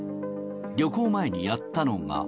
旅行前にやったのが。